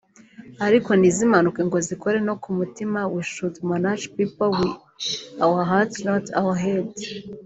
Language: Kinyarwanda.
ariko ntizimanuke ngo zikore no ku mutima (we should manage people with our heart not our head)